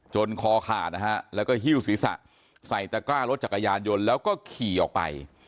คอขาดนะฮะแล้วก็หิ้วศีรษะใส่ตะกร้ารถจักรยานยนต์แล้วก็ขี่ออกไป